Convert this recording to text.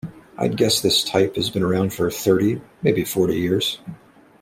I'd guess this type has been around for thirty - maybe forty - years.